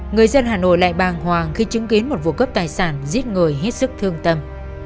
người dân hà nội lại bàng hoàng khi chứng kiến một vụ cướp tài sản giết người hết sức thương tâm